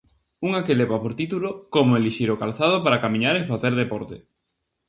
Unha que leva por título "como elixir o calzado para camiñar e facer deporte".